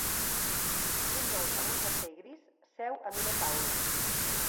Un noi amb un jersei gris seu en una taula.